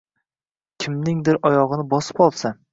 kimningdir oyog‘ini bosib olsa